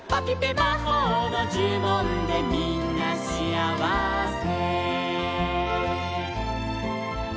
「まほうのじゅもんでみんなしあわせ」